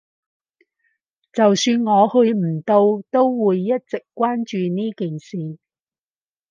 就算我去唔到，都會一直關注呢件事